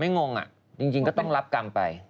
งงจริงก็ต้องรับกรรมไป